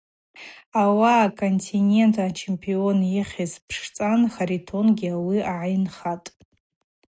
Ауаъа аконтитент ачемпион йыхьыз пшцӏан, Харитонгьи ауи гӏайынхатӏ.